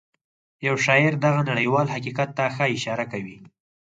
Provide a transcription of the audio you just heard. يو شاعر دغه نړيوال حقيقت ته ښه اشاره کوي.